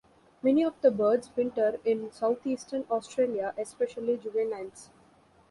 Many of the birds winter in south-eastern Australia, especially juveniles.